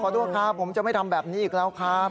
ขอโทษครับขอโทษครับผมจะไม่ทำแบบนี้อีกละครับ